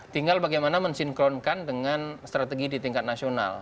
tinggal bagaimana mensinkronkan dengan strategi di tingkat nasional